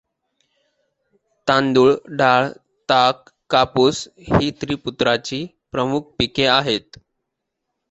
तांदूळ, डाळ, ताग, कापूस ही त्रिपुराची प्रमुख पिके आहेत.